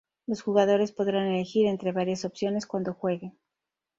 Los jugadores podrán elegir entre varias opciones cuando jueguen.